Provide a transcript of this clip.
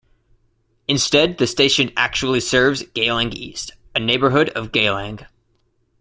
Instead, the station actually serves Geylang East, a neighbourhood of Geylang.